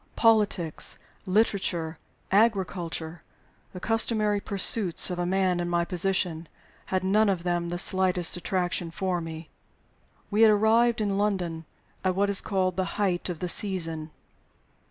Politics, literature, agriculture the customary pursuits of a man in my position had none of them the slightest attraction for me. We had arrived in London at what is called "the height of the season."